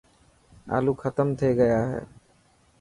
آلو ختم ٿي گيا هي.